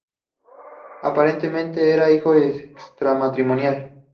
Aparentemente era hijo extramatrimonial.